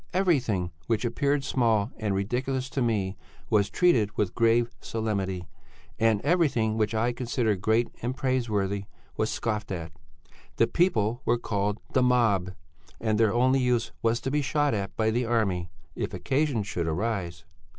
Everything which appeared small and ridiculous to me was treated with grave solemnity, and everything which I considered great and praiseworthy was scoffed at. The people were called 'the mob,' and their only use was to be shot at by the army if occasion should arise.